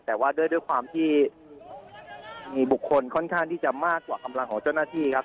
แต่ว่าด้วยความที่มีบุคคลค่อนข้างที่จะมากกว่ากำลังของเจ้าหน้าที่ครับ